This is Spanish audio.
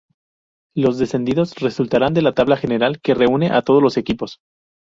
Los descendidos resultarán de la tabla general que reúne a todos los equipos.